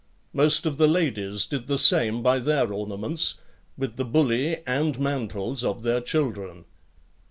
Most of the ladies did the same by their ornaments, with the bullae , and mantles of their children.